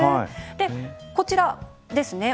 でこちらですね